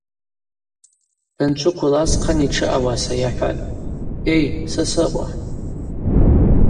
Данджвыквыл асхъан йтшы ауаса йахӏватӏ: Ей, Сосрыкъва!